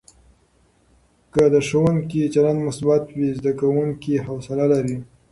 که د ښوونکي چلند مثبت وي، زده کوونکي حوصله لري.